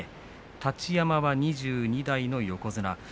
太刀山は２２代の横綱です。